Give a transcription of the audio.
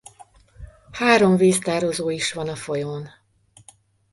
Három víztározó is van a folyón.